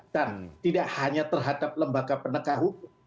dan tidak hanya terhadap lembaga penegak hukum